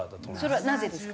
それはなぜですか？